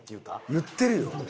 言ってるよ。